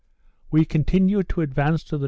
We continued to advance to the N.